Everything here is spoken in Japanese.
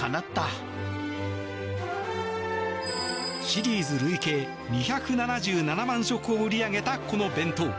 シリーズ累計２７７万食を売り上げたこの弁当。